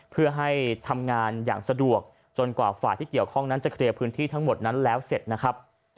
เพื่อให้ทำงานอย่างสะดวกจนกว่าฝ่ายที่เกี่ยวข้องนั้นจะเคลียร์พื้นที่ทั้งหมดนั้นแล้วเสร็จนะครับ